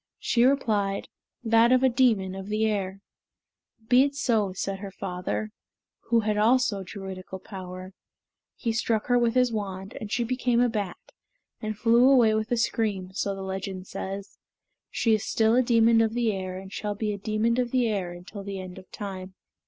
She replied, "That of a demon of the air." "Be it so," said her father, who had also Druidical power. He struck her with his wand, and she became a bat, and flew away with a scream, and the legend says, "She is still a demon of the air and shall be a demon of the air until the end of time."